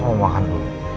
mau makan dulu